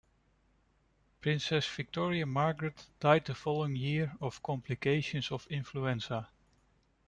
Princess Victoria Margaret died the following year of complications of influenza.